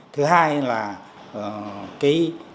thứ hai là cái